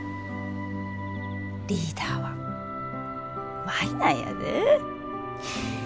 リーダーは舞なんやで。